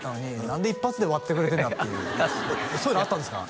「何で一発で割ってくれてんだ」っていうそういうのあったんですか？